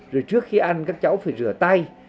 rồi trước khi ăn các cháu phải rửa tay